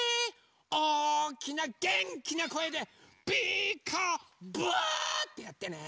おおきなげんきなこえで「ピーカーブ！」ってやってね。